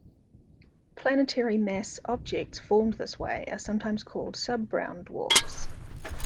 Planetary-mass objects formed this way are sometimes called sub-brown dwarfs.